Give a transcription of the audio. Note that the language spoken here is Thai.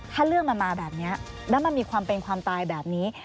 ถ้าเรื่องมันมาแบบนี้แล้วมันมีความเป็นความตายแบบนี้